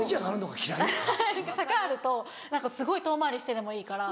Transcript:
坂あると何かすごい遠回りしてでもいいから。